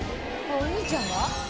「お兄ちゃんが？」